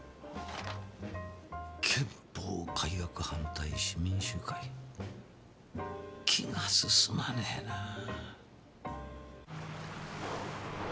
「憲法改悪反対市民集会」気が進まねぇなぁ。